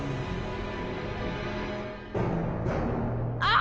あ！